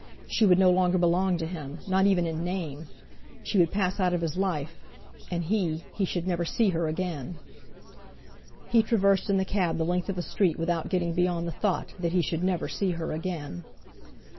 She would no longer belong to him, not even in name! She would pass out of his life, and he—he should never see her again! He traversed in the cab the length of a street without getting beyond the thought that he should never see her again!